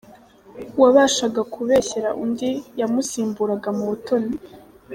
Uwabashaga kubeshyera undi yamusimburaga mu butoni.